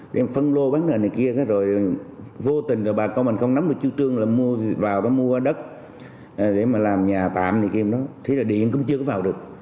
để phân lô bán đường này kia rồi vô tình bà con mình không nắm được chư trương là mua vào mua đất để mà làm nhà tạm thì điện cũng chưa có vào được